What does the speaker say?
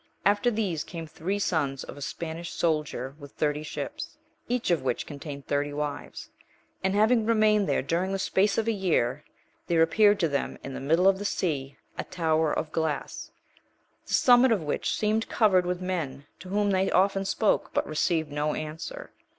After these came three sons of a Spanish soldier with thirty ships, each of which contained thirty wives; and having remained there during the space of a year, there appeared to them, in the middle of the sea, a tower of glass, the summit of which seemed covered with men, to whom they often spoke, but received no answer.